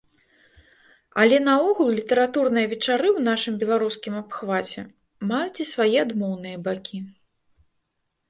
Але наогул літаратурныя вечары ў нашым беларускім абхваце маюць і свае адмоўныя бакі.